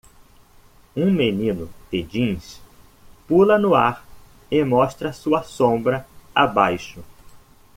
Um menino de jeans pula no ar e mostra sua sombra abaixo.